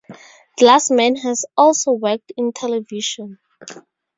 Glassman has also worked in television.